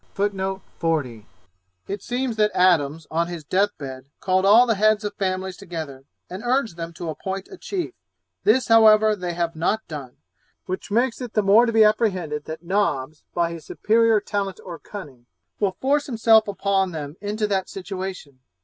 It seems that Adams on his death bed called all the heads of families together, and urged them to appoint a chief; this, however, they have not done, which makes it the more to be apprehended that Nobbs, by his superior talent or cunning, will force himself upon them into that situation.